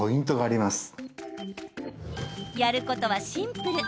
やることはシンプル。